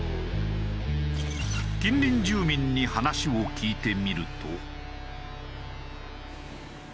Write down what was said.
近隣住民に話を聞いてみると。